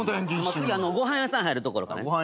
次ご飯屋さん入るところから。